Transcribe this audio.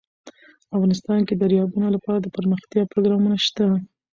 افغانستان کې د دریابونه لپاره دپرمختیا پروګرامونه شته.